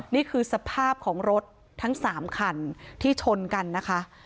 นี่คือสภาพของรถทั้ง๓คันที่ชนกันนะคะ